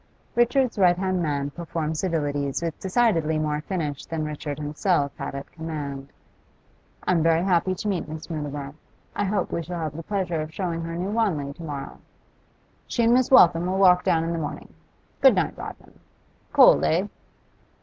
Richard's right hand man performed civilities with decidedly more finish than Richard himself had at command. 'I am very happy to meet Miss Mutimer. I hope we shall have the pleasure of showing her New Wanley to morrow.' 'She and Miss Waltham will walk down in the morning. Good night, Rodman. Cold, eh?